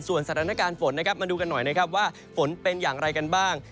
สถานการณ์ฝนนะครับมาดูกันหน่อยนะครับว่าฝนเป็นอย่างไรกันบ้าง